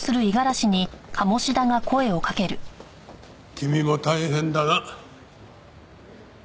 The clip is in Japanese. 君も大変だな。